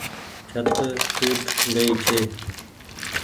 ڇت ٽوٽ گئي ڇي۔